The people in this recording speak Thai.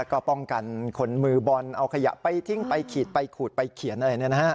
ก็ป้องกันคนมือบอลเอาขยะไปทิ้งไปขีดไปขูดไปเขียนอะไร